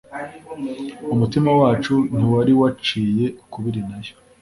umutima wacu ntiwari waciye ukubiri na yo